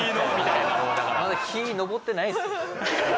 まだ日昇ってないですよ。